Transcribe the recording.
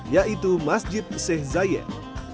yaitu masjid seh sayed